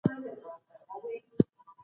تاريخپوهان وايي چي دا سیمه ډېره مهمه وه.